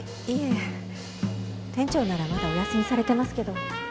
いえ店長ならまだお休みされてますけど。